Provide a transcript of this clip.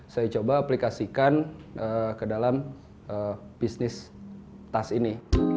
saya coba aplikasikan ke dalam bisnis tas ini